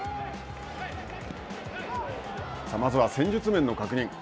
まずは戦術面の確認。